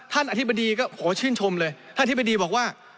ท่านอธิบดีก็โหติดชมเลยท่านอธิบดีบอกว่า